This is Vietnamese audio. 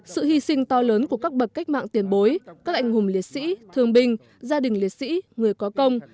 sự hy sinh to lớn của các bậc cách mạng tiền bối các anh hùng liệt sĩ thương binh gia đình liệt sĩ người có công